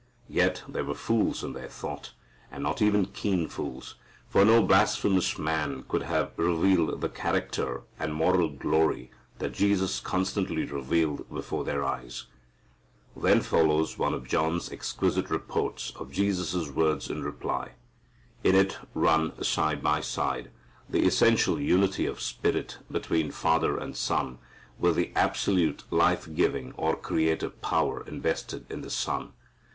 Yet they were fools in their thought, and not even keen fools. For no blasphemous man could have revealed the character and moral glory that Jesus constantly revealed before their eyes. Then follows one of John's exquisite reports of Jesus' words in reply. In it run side by side the essential unity of spirit between Father and Son, with the absolute life giving or creative power invested in the Son.